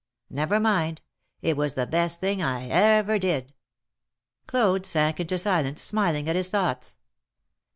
Never mind ; it was the best thing I ever did !" Claude sank into silence, smiling at his thoughts.